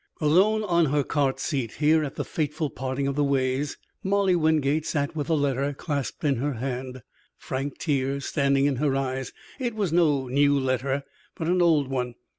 Alone on her cart seat, here at the fateful parting of the ways, Molly Wingate sat with a letter clasped in her hand, frank tears standing in her eyes. It was no new letter, but an old one.